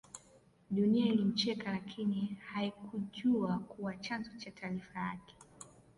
Dunia ilimcheka lakini haikujjua kuwa chanzo cha taarifa yake